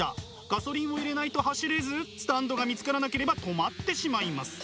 ガソリンを入れないと走れずスタンドが見つからなければ止まってしまいます。